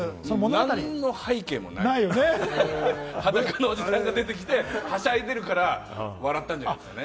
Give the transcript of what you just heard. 何の背景もない、裸のおじさんが出てきてはしゃいでいるから、笑ったんじゃないですかね。